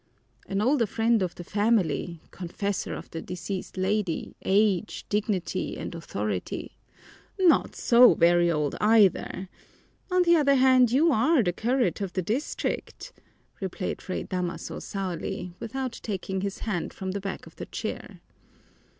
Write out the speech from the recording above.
"An older friend of the family confessor of the deceased lady age, dignity, and authority " "Not so very old, either! On the other hand, you are the curate of the district," replied Fray Damaso sourly, without taking his hand from the back of the chair.